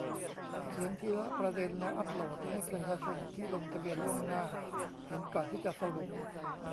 เขียนทีละประเด็น แล้วอัพโหลด ให้ประชาชนที่ให้ลงทะเบียนล่วงหน้า เห็นก่อนที่จะสรุป